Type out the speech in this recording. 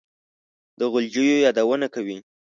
د غلجیو یادونه کوي.